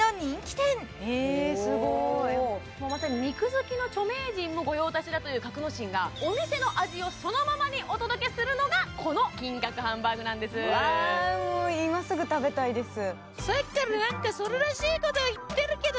すごいまさに肉好きの著名人も御用達だという格之進がお店の味をそのままにお届けするのがこの金格ハンバーグなんですわ今すぐ食べたいです